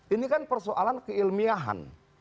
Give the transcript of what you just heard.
ini kan persoalan keilmiahan